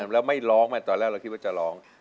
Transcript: แล้วไม่ร้องตอนแรกเราคิดว่าจะร้อง